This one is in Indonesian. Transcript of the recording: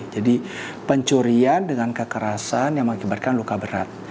jadi pencurian dengan kekerasan yang mengibarkan luka berat